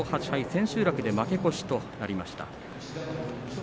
千秋楽で負け越しとなりました。